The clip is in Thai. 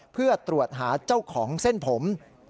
เพื่อตรวจหาเจ้าของเส้นผม